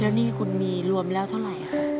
หนี้คุณมีรวมแล้วเท่าไหร่ค่ะ